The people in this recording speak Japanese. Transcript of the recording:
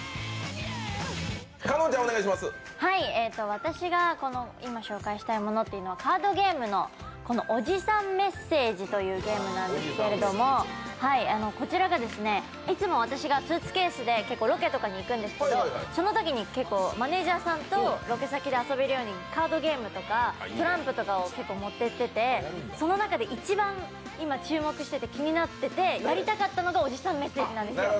私が今紹介したいものというのはカードゲームの「オジサンメッセージ」というものなんですけどこちらがいつも私がスーツケースでロケとかに行くんですけど、そのときにマネージャーさんとロケ先で遊べるようにカードゲームとかトランプとかを結構持っていっていてその中で一番今注目していて気になっててやりたかったのが「オジサンメッセージ」なんです。